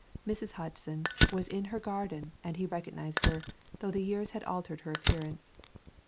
Mrs. Hodgson was in her garden and he recognized her, though the years had altered her appearance.